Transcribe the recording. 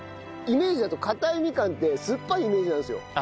イメージだと硬いみかんって酸っぱいイメージなんですよ。